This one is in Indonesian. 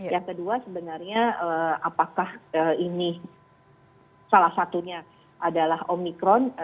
yang kedua sebenarnya apakah ini salah satunya adalah omikron